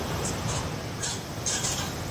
د عزت ساتنه د انسان لوی مسووليت دی.